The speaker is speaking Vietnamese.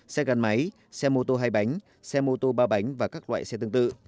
xe gắn máy xe mô tô hay bánh xe mô tô ba bánh và các loại xe tương tự